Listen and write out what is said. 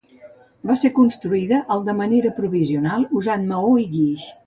Va ser construïda al de manera provisional, usant maó i guix.